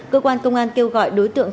cơ quan công an kêu gọi đối tượng